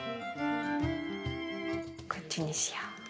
こっちにしよう。